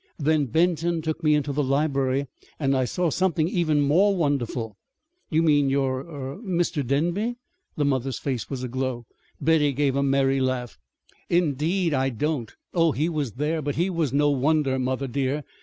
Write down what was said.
Then Benton took me into the library, and I saw something even more wonderful." "You mean your er Mr. Denby?" The mother's face was aglow. Betty gave a merry laugh. "Indeed, I don't! Oh, he was there, but he was no wonder, mother, dear.